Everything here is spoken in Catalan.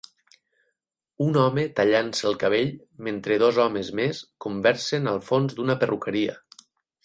Un home tallant-se el cabell mentre dos homes més conversen al fons d'una perruqueria.